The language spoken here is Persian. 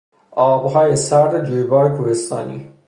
آبهای سرد جویبار کوهستانی